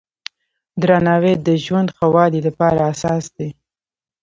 درناوی د ژوند ښه والي لپاره اساس دی.